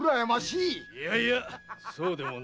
いやいやそうでもないぞ。